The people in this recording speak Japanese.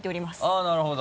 あぁなるほど。